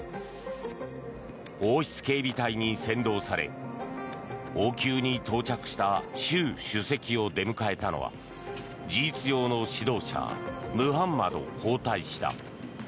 王室警備隊に先導され王宮に到着した習主席を出迎えたのは事実上の指導者ムハンマド皇太子だ。